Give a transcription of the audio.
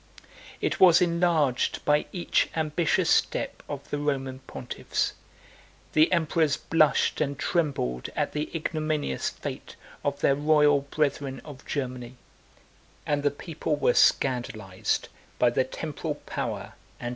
It was enlarged by each ambitious step of the Roman pontiffs: the emperors blushed and trembled at the ignominious fate of their royal brethren of Germany; and the people were scandalized by the temporal power and military life of the Latin clergy.